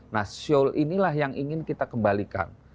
nah show inilah yang ingin kita kembalikan